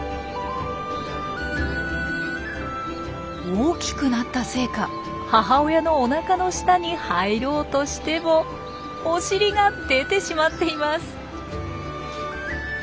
大きくなったせいか母親のおなかの下に入ろうとしてもお尻が出てしまっています。